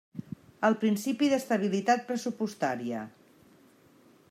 El principi d'estabilitat pressupostaria.